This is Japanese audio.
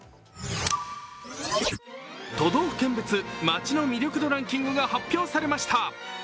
都道府県別・街の魅力度ランキングが発表されました。